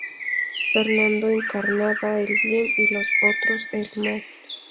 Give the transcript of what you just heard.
Fernando encarnaba el Bien y los otros el Mal.